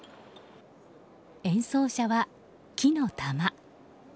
演奏者は、木の玉。